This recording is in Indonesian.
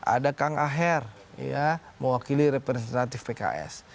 ada kang aher mewakili representatif pks